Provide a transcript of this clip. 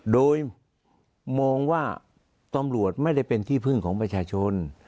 โดยมองว่าตำรวจไม่ได้เป็นที่พึ่งของประชาชน